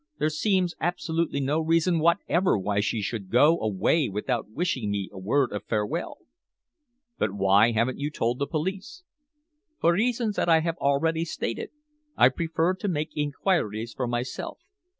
There seems absolutely no reason whatever why she should go away without wishing me a word of farewell." "But why haven't you told the police?" "For reasons that I have already stated. I prefer to make inquiries for myself."